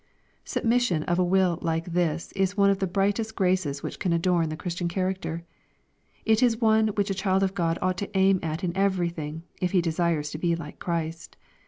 '' Submission of will like this is one of the brightest graces which can adorn the Christian character. It is one which a child of God ought to aim at in everything, if he desires to be like Christ.